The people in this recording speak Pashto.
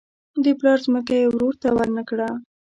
د پلار ځمکه یې ورور ته ورنه کړه.